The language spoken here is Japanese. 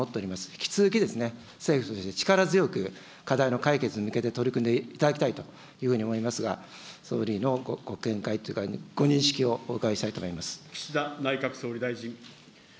引き続き、政府として力強く課題の解決に向けて取り組んでいただきたいというふうに思いますが、総理のご見解というか、ご認識を岸田内閣総理大臣。